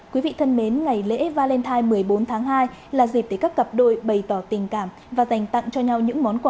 quý vị thân mến ngày lễ valentine một mươi bốn tháng hai là dịp để các cặp đôi bày tỏ tình cảm và dành tặng cho nhau những món quà